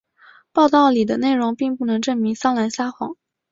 报道里的内容并不能证明桑兰撒谎。